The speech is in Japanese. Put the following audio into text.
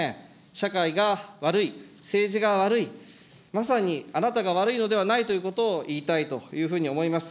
社会が悪い、政治が悪い、まさにあなたが悪いのではないということを言いたいというふうに思います。